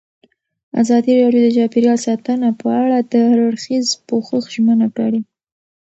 ازادي راډیو د چاپیریال ساتنه په اړه د هر اړخیز پوښښ ژمنه کړې.